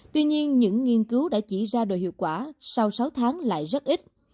tuy nhiên những nghiên cứu đã chỉ ra đồ hiệu quả sau sáu tháng lại rất ít